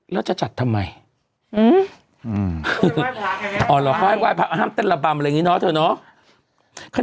แล้วจะจัดทำไมอ๋อเราค่อยไห้พระห้ามเต้นระบำอะไรอย่างนี้เนาะเถอะเนาะ